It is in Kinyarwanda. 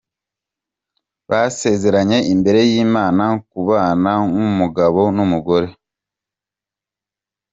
Basezeranye imbere y'Imana kubana nk'umugabo n'umugore.